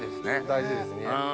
大事ですね。